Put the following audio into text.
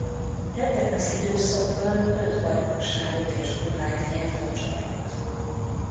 Ebben az időszakban öt bajnokságot és kupát nyert a csapat.